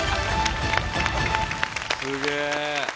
すげえ。